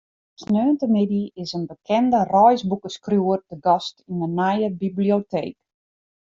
Sneontemiddei is in bekende reisboekeskriuwer te gast yn de nije biblioteek.